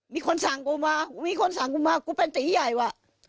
มีคนสั่งกูมากูมีคนสั่งกูมากูเป็นตีใหญ่ว่ะ